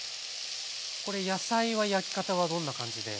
これ野菜は焼き方はどんな感じで？